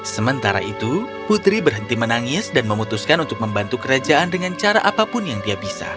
sementara itu putri berhenti menangis dan memutuskan untuk membantu kerajaan dengan cara apapun yang dia bisa